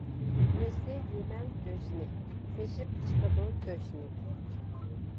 نېسى يېمەڭ گۆشنى، تېشىپ چىقىدۇ تۆشنى.